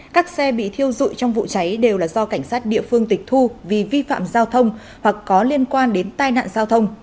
các xe bị thiêu dụi trong vụ cháy đều là do cảnh sát địa phương tịch thu vì vi phạm giao thông hoặc có liên quan đến tai nạn giao thông